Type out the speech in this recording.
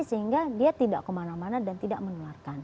sehingga dia tidak kemana mana dan tidak menularkan